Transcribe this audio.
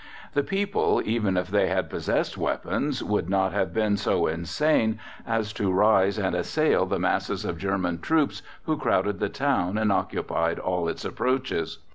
The people, even if they had possessed weapons, would not have been so insane as to rise and assail the masses of German troops who crowded the town and occupied all its approaches.